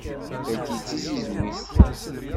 Tagi d tizizwit.